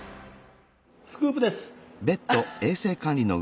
スクープです！